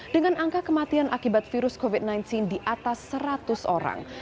dengan angka kematian akibat virus covid sembilan belas di atas seratus orang